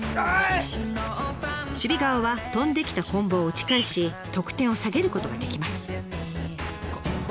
守備側は飛んできたこん棒を打ち返し得点を下げることができます。